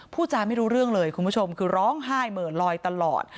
พูดจาไม่รู้เรื่องเลยคุณผู้ชมคือร้องไห้เหมือนลอยตลอด